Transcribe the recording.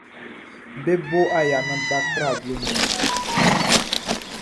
Be bo aya naan bʼa tra blo nnɛn.